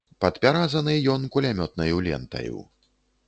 Падпяразаны ён кулямётнаю лентаю.